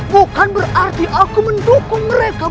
bukan berarti aku mendukung mereka